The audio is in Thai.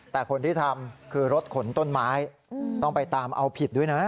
แต่คนที่ทำคือรถขนต้นไม้ต้องไปตามเอาผิดด้วยนะ